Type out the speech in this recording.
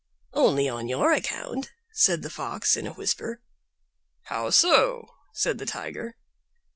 "Only on your account," said the Fox in a whisper. "How so?" said the Tiger.